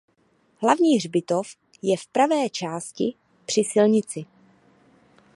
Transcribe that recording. Hlavní hřbitov je v pravé části při silnici.